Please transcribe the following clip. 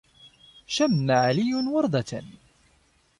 شَمَّ عَلِيٌ وَرْدَةً.